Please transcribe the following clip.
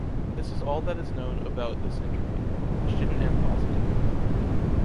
This is all that is known about this interview, which didn’t end positively.